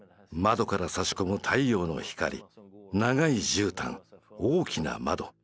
窓からさし込む太陽の光長いじゅうたん大きな窓。